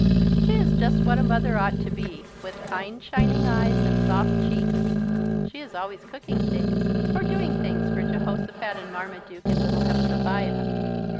She is just what a mother ought to be, with kind, shining eyes, and soft cheeks. She is always cooking things or doing things for Jehosophat and Marmaduke and little Hepzebiah.